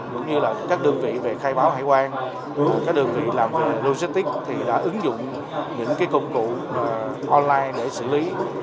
cũng như là các đơn vị về khai báo hải quan các đơn vị làm logistics thì đã ứng dụng những công cụ online để xử lý